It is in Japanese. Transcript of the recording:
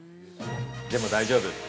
でも大丈夫。